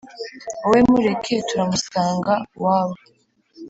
wowe mureke turamusanga wabo